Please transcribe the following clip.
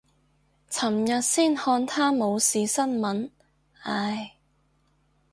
琴日先看他冇事新聞，唉。